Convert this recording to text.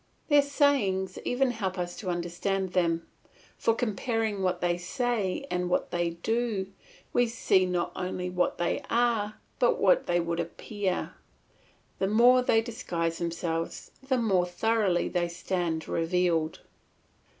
Their sayings even help us to understand them; for comparing what they say and what they do, we see not only what they are but what they would appear; the more they disguise themselves the more thoroughly they stand revealed.